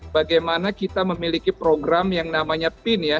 bagaimana kita memiliki program yang namanya pin ya